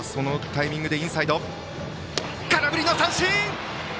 空振り三振！